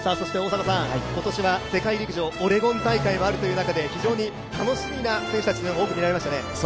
今年は世界陸上オレゴン大会もあるということで、非常に楽しみな選手たちが多く見られましたね。